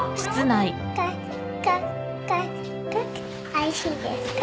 おいしいですか？